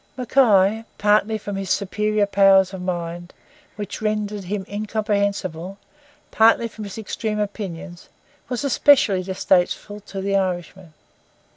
Mackay, partly from his superior powers of mind, which rendered him incomprehensible, partly from his extreme opinions, was especially distasteful to the Irishman.